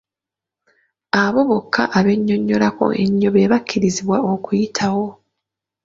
Abo bokka abennyonnyolako ennyo be bakkirizibwa okuyitawo.